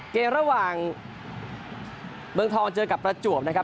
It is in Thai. เกมระหว่างเมืองทองเจอกับประจวบนะครับ